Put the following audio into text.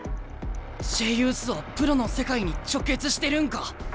Ｊユースはプロの世界に直結してるんか？